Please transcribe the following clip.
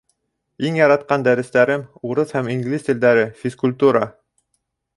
Иң яратҡан дәрестәрем — урыҫ һәм инглиз телдәре, физкультура.